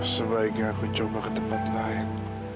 sebaiknya aku coba ke tempat lain